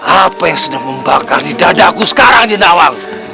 apa yang sudah membakar di dadaku sekarang nyi nawa